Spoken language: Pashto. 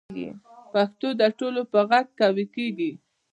پښتو د ټولو په غږ قوي کېږي.